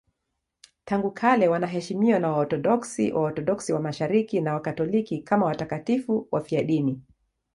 Tangu kale wanaheshimiwa na Waorthodoksi, Waorthodoksi wa Mashariki na Wakatoliki kama watakatifu wafiadini.